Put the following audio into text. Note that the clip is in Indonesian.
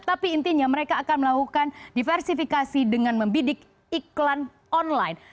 tapi intinya mereka akan melakukan diversifikasi dengan membidik iklan online